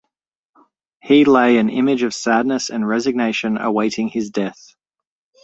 He lay an image of sadness and resignation awaiting his death.